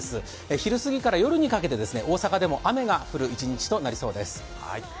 昼すぎから夜にかけて、大阪でも雨が降る一日となりそうです。